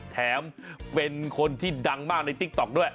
แถมเป็นคนที่ดังมากในติ๊กต๊อกด้วย